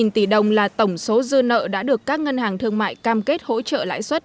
hai trăm hai mươi tỷ đồng là tổng số dư nợ đã được các ngân hàng thương mại cam kết hỗ trợ lãi xuất